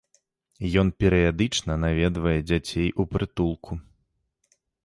Ён перыядычна наведвае дзяцей у прытулку.